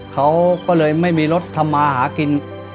เขาก็เลยไม่มีรถทำมาหากิน